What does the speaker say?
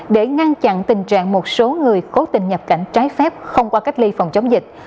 để ngăn chặn tình trạng một số người cố tình nhập cảnh trái phép không qua cách ly phòng chống dịch